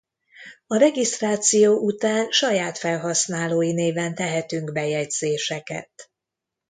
A regisztráció után saját felhasználói néven tehetünk bejegyzéseket.